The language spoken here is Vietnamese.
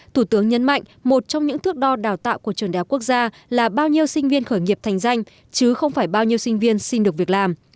thủ tướng nhấn mạnh một trong những thước đo đào tạo của trường đại học quốc gia là bao nhiêu sinh viên khởi nghiệp thành danh chứ không phải bao nhiêu sinh viên xin được việc làm